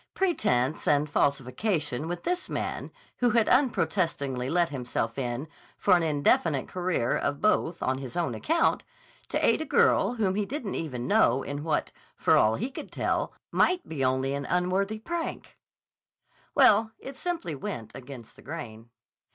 Pretense and falsification with this man who had unprotestingly let himself in for an indefinite career of both on his own account, to aid a girl whom he didn't even know in what, for all he could tell, might be only an unworthy prank—well, it simply went against the grain.